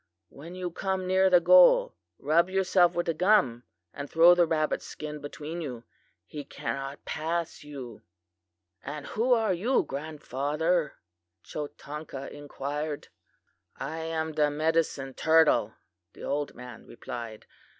'When you come near the goal, rub yourself with the gum, and throw the rabbit skin between you. He cannot pass you.' "'And who are you, grandfather?' Chotanka inquired. "'I am the medicine turtle,' the old man replied.